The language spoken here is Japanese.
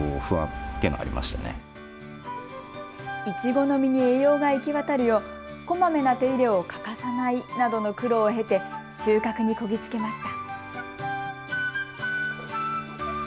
いちごの実に栄養が行き渡るようこまめな手入れを欠かさないなどの苦労を経て収穫にこぎつけました。